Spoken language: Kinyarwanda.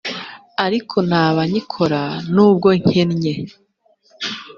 ariko naba nyikora nubwo nkennye